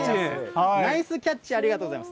ナイスキャッチ、ありがとうございます。